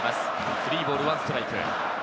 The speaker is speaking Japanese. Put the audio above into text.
３ボール１ストライク。